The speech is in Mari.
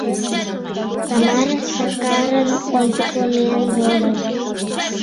Тамара Сакарын ончыко миен возо.